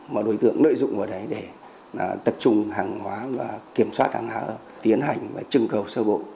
mà đối tượng lợi dụng vào đấy để tập trung hàng hóa và kiểm soát hàng hóa tiến hành và trưng cầu sơ bộ